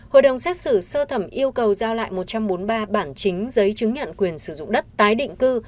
hội đồng xét xử sơ thẩm yêu cầu giao lại một trăm bốn mươi ba bản chính giấy chứng nhận quyền sử dụng đất tái định cư